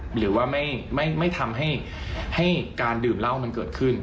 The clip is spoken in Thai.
หรือว่าไม่ทำให้การดื่มเหล้ามันเกิดขึ้น